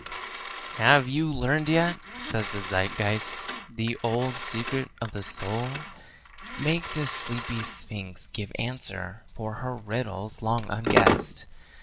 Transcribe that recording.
"Have you learned yet," says the Zeitgeist, "the old secret of the soul? Make the sleepy sphinx give answer, for her riddle's long unguessed.